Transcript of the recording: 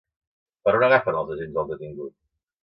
Per on agafen els agents al detingut?